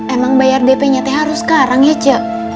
emang bayar dp nya teh harus sekarang ya cik